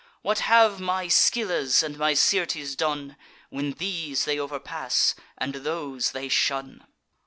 What have my Scyllas and my Syrtes done, When these they overpass, and those they shun?